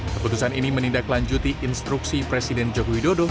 keputusan ini menindaklanjuti instruksi presiden jokowi dodo